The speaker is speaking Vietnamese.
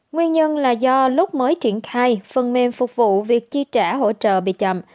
nguyên nhân là do lúc mới triển khai phần mềm phục vụ việc chi trả hỗ trợ bị chậm